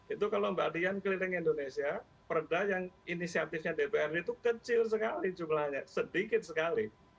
itu kalau mbak dian keliling indonesia perda yang inisiatifnya dprd itu kecil sekali jumlahnya sedikit sekali